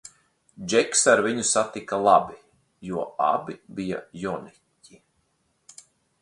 Džeks ar viņu satika labi, jo abi bija joņiki.